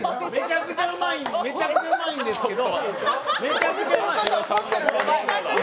めちゃくちゃうまいんですけど。